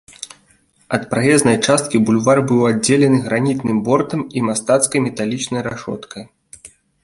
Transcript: Ад праезнай часткі бульвар быў аддзелены гранітным бортам і мастацкай металічнай рашоткай.